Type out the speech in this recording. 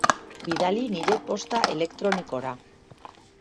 Bidali nire posta elektronikora.